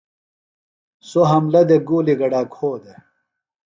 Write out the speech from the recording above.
سوۡ حملہ دےۡ گُولیۡ گڈا کھو دےۡ۔